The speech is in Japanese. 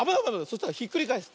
そしたらひっくりかえす。